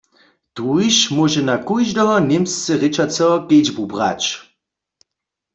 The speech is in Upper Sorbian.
Tuž móže na kóždeho němsce rěčaceho kedźbu brać.